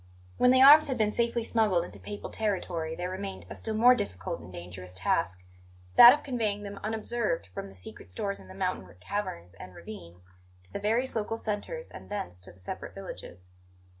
When the arms had been safely smuggled into Papal territory there remained a still more difficult and dangerous task: that of conveying them unobserved from the secret stores in the mountain caverns and ravines to the various local centres and thence to the separate villages.